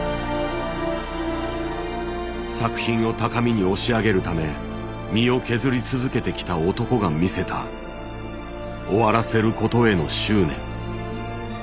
作品を高みに押し上げるため身を削り続けてきた男が見せた終わらせることへの執念。